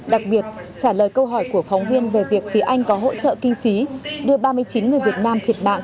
đặc biệt trả lời câu hỏi của phóng viên về việc phía anh có hỗ trợ kinh phí đưa ba mươi chín người việt nam thiệt mạng